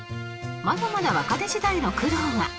まだまだ若手時代の苦労が